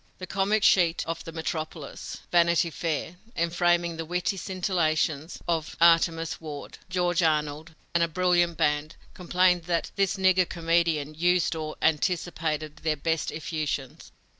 The comic sheet of the metropolis, Vanity Fair, enframing the witty scintillations of "Artemus Ward," George Arnold, and a brilliant band, complained that this "nigger comedian" used or anticipated their best effusions.